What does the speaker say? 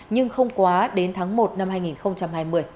nhưng không quá đến tháng một năm hai nghìn hai mươi